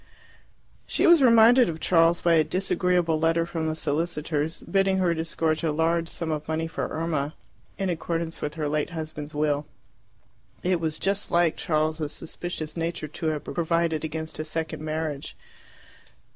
She was reminded of Charles by a disagreeable letter from the solicitors, bidding her disgorge a large sum of money for Irma, in accordance with her late husband's will. It was just like Charles's suspicious nature to have provided against a second marriage.